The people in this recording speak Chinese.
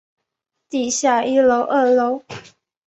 地下一楼二楼